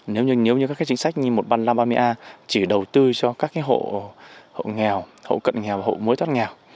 nếu như các chính sách như một mươi năm nghìn năm trăm ba mươi a chỉ đầu tư cho các hộ nghèo hộ cận nghèo và hộ mới toán nghèo